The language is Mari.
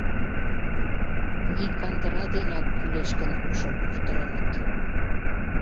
Ний кандыра денак, кӱлеш гын, ушым пуртылыныт.